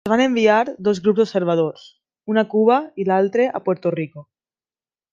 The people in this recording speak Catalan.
Es van enviar dos grups d'observadors, un a Cuba i l'altre a Puerto Rico.